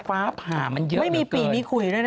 ว่าง่ายเกินเกินเกินไม่มีปลีมีคุยด้วยนี่